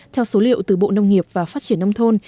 theo số liệu từ bộ nông nghiệp và phát triển nông thôn